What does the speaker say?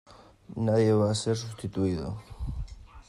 Nadie va a ser sustituido.